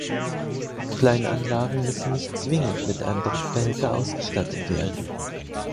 Kleinanlagen müssen nicht zwingend mit einem Druckbehälter ausgestattet werden.